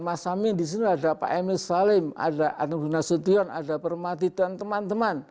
mas amin di sini ada pak emil salim ada anung gunasutrion ada permatidon teman teman